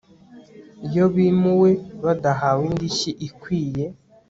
iyo bimuwe badahawe indishyi ikwiye